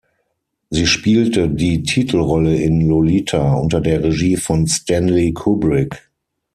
Sie spielte die Titelrolle in "Lolita" unter der Regie von Stanley Kubrick.